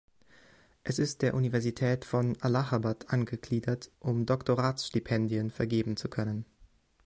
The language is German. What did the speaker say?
Es ist der Universität von Allahabad angegliedert, um Doktoratsstipendien vergeben zu können.